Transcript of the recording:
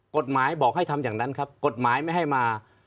กฎหมายบอกให้ทำอย่างนั้นครับกฎหมายไม่ให้มา